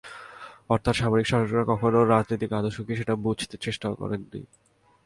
অর্থাৎ সামরিক শাসকেরা কখনো রাজনৈতিক আদর্শ কী, সেটা বুঝতে চেষ্টাও করেননি।